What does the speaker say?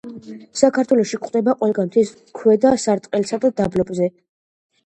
საქართველოში გვხვდება ყველგან მთის ქვედა სარტყელსა და დაბლობებზე.